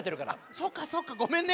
そうかそうかごめんね。